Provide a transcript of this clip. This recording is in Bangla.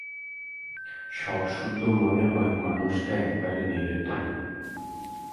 সবসুদ্ধ মনে হয় মানুষটা একেবারে নিরেট।